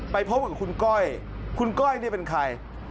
ไปพบกับคุณก้อยคุณก้อยนี่เป็นใคร